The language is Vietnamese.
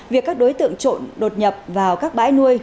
việc các đối tượng trộn đột nhập vào các bãi nuôi